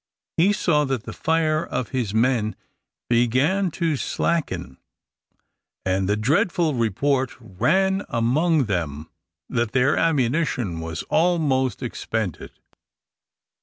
He saw that the fire of his men began to slacken, and the dreadful report ran round among them that their ammunition was almost expended.